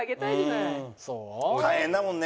大変だもんね。